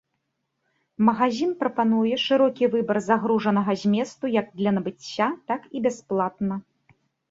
Магазін прапануе шырокі выбар загружанага зместу як для набыцця, так і бясплатна.